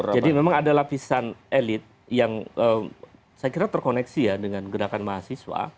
jadi memang ada lapisan elit yang saya kira terkoneksi ya dengan gerakan mahasiswa